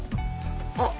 あっ